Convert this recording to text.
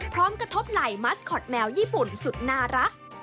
พร้อมกระทบไหล่มัสคอตแมวญี่ปุ่นสุดน่ารัก